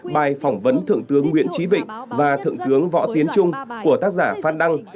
bài phỏng vấn thượng tướng nguyễn trí vịnh và thượng tướng võ tiến trung của tác giả phát đăng